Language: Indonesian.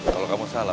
kalau kamu salah